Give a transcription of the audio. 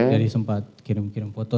jadi sempat kirim kirim foto